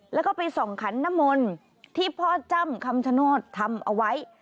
แล้วก็ไปส่องขันนมลที่พ่อจ้ำคำชโนธทำเอาไว้